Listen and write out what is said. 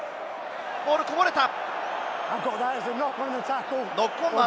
ボールがこぼれた！